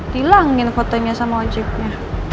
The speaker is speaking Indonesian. dilangin fotonya sama ojeknya